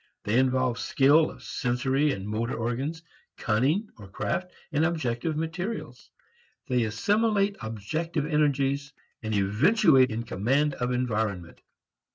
They involve skill of sensory and motor organs, cunning or craft, and objective materials. They assimilate objective energies, and eventuate in command of environment.